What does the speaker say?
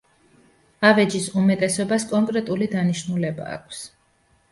ავეჯის უმეტესობას კონკრეტული დანიშნულება აქვს.